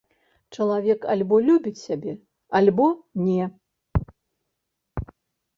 Чалавек альбо любіць сябе, альбо не.